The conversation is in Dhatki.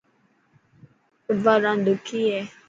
فٽبال راند ڏکي هي.